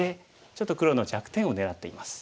ちょっと黒の弱点を狙っています。